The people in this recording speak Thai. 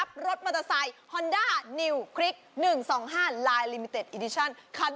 พร้อมตั้งแต่เมื่อวานแล้วแต่อุปกรณ์นี้ใหญ่มาก